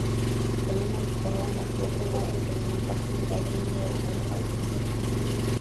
Wanyama kukohoa na kuwepo maji kwenye mapafu ni dalili ya ugonjwa wa majimoyo